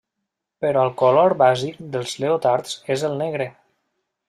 Però el color bàsic dels leotards és el negre.